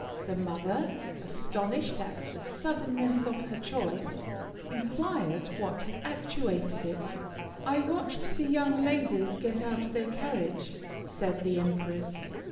The mother, astonished at the suddenness of her choice, inquired what had actuated it. 'I watched the young ladies get out of their carriage,' said the empress.